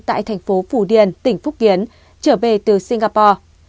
tại thành phố phủ điền tỉnh phúc kiến trở về từ singapore